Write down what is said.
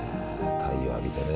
太陽浴びてね。